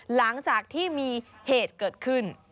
หลังจากที่มีเหตุเกิดขึ้น